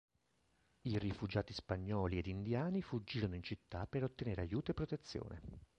I rifugiati spagnoli ed indiani fuggirono in città per ottenere aiuto e protezione.